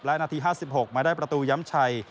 และนาที๕๖มาได้ประตูย้ำชัย